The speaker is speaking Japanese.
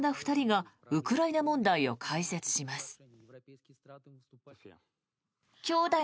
２人がウクライナ問題を解説します。